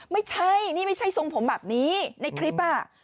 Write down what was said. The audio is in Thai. ไม่ใช่นี่ไม่ใช่ทรงผมแบบนี้ในคลิปอ่ะ